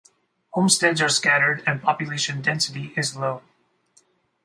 Homesteads are scattered and population density is low.